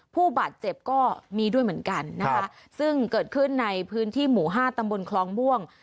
ผู้บาดเจ็บก็มีด้วยเหมือนกันนะคะซึ่งเกิดขึ้นในพื้นที่หมู่ห้าตำบลคลองม่วง